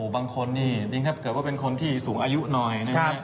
บางคนนี่ถึงถ้าเกิดว่าเป็นคนที่สูงอายุหน่อย